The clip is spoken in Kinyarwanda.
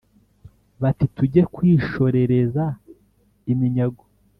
bati: tujye kwishorereza iminyago